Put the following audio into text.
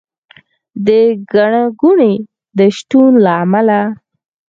د ګڼه ګوڼې د شتون له امله